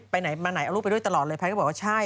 ไหนมาไหนเอาลูกไปด้วยตลอดเลยแพทย์ก็บอกว่าใช่